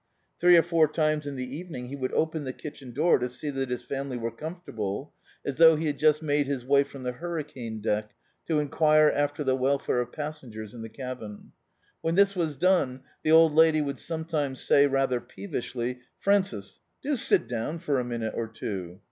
Three or four times in the evening he would open the kitchen door to see that bis family were comfortable, as thou^ he had just made his way from the hurri cane deck to enquire after the welfare of passengers in the cabin. When this was done, the old lady would sometimes say, rather peevishly, "Francis, do sit down for a minute or two."